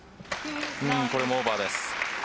これもオーバーです。